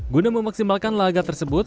guna memaksimalkan laga tersebut